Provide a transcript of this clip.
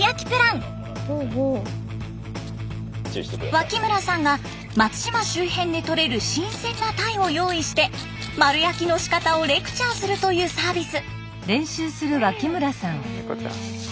脇村さんが松島周辺でとれる新鮮なタイを用意して丸焼きのしかたをレクチャーするというサービス。